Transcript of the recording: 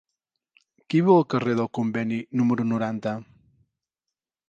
Qui viu al carrer del Conveni número noranta?